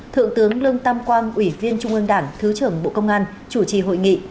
thượng tướng lương tam quang ủy viên trung ương đảng thứ trưởng bộ công an chủ trì hội nghị